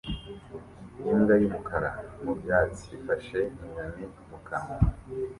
Imbwa y'umukara mu byatsi ifashe inyoni mu kanwa